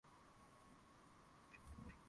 Hiyo ndiyo iliyokuja kuzaa jina la majimaji